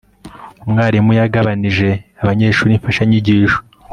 umwarimu yagabanije abanyeshuri imfashanyigisho